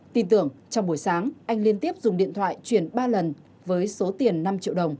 tin tưởng trong buổi sáng anh liên tiếp dùng điện thoại chuyển ba lần với số tiền năm triệu đồng